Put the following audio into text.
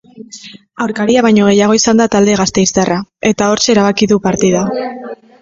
Aurkaria baino gehiago izan da talde gasteiztarra, eta hortxe erabaki du partida.